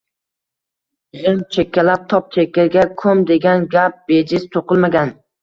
– G‘imm… Chekkalab top, chekkaga ko‘m, degan gap bejiz to‘qilmagan